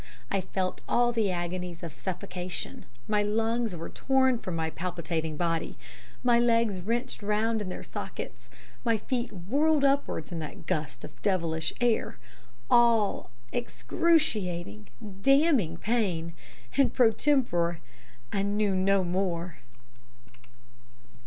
I felt all the agonies of suffocation, my lungs were torn from my palpitating body; my legs wrenched round in their sockets; my feet whirled upwards in that gust of devilish air. All excruciating, damning pain and pro tempore I knew no more."